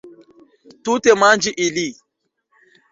Tute manĝi ili.